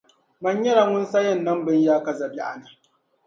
Mani nyɛla ŋun sayɛn niŋ bini yaakaza biεɣuni.